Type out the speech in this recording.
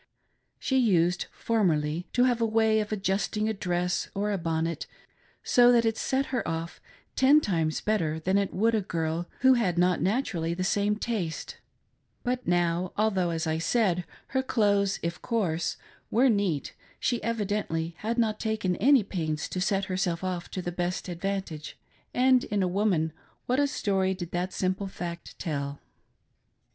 She used formerly to have a way of adjusting a dress or a bonnet so that it set her off ten times better than it would a girl who had not naturally the same taste ; but now, although, as I said; her clothes, if coarse, were neat, she evidently had not taken any pains to set herself off to the best advantage; and in. a woman what a story did that simple fact tell